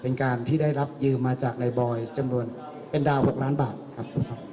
เป็นการที่ได้รับยืมมาจากนายบอยจำนวนเป็นดาว๖ล้านบาทครับ